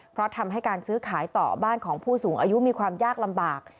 เพราะทำให้การซื้อขายต่อบ้านของผู้สูงอายุมีความยากลำบาก